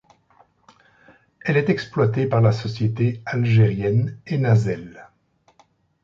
Elle est exploitée par la société algérienne Enasel.